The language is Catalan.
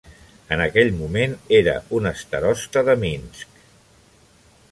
En aquell moment era un starosta de Minsk.